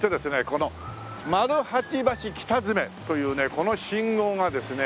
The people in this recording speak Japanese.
この丸八橋北詰というねこの信号がですね